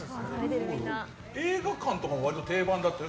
映画館とか割と定番だったよね。